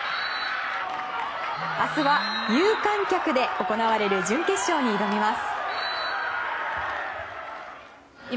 明日は有観客で行われる準決勝に挑みます。